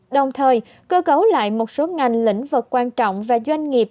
đồng thời cơ cấu lại một số ngành lĩnh vực quan trọng và doanh nghiệp